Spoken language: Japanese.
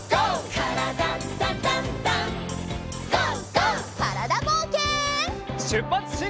からだぼうけん。